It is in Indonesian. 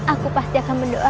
aku pasti akan mendoakanmu